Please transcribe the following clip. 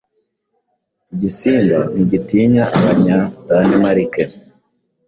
Igisimba ntigitinya abanya Danemarke